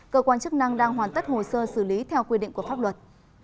cơ quan chức năng đang hoàn tất hồ sơ xử lý theo quy định của pháp luật